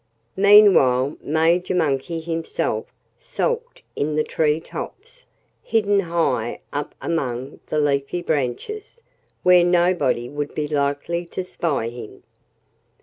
Meanwhile Major Monkey himself sulked in the tree tops, hidden high up among the leafy branches, where nobody would be likely to spy him.